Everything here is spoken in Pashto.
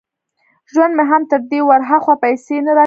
ژوند مې هم تر دې ور هاخوا پيسې نه را کوي.